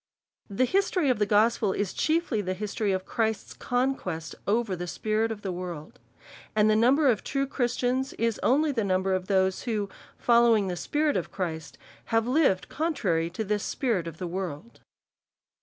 The history of the gospel is chiefly the history of Christ's conquest over this spirit of the world. And the number of true Christians, is only the number of those who, following the Spirit of Christ, have lived contrary to the spirit of the world.